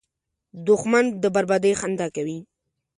دښمن د بربادۍ خندا کوي